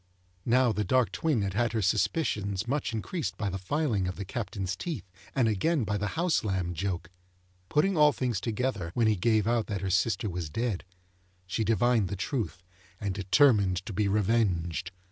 Now, the dark twin had had her suspicions much increased by the filing of the Captain's teeth, and again by the house lamb joke. Putting all things together when he gave out that her sister was dead, she divined the truth, and determined to be revenged.